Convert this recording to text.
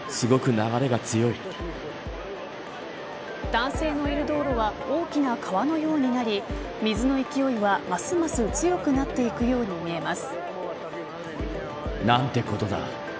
男性のいる道路は大きな川のようになり水の勢いが、ますます強くなっていくように見えます。